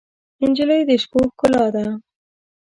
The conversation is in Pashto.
نجلۍ د شپو ښکلا ده.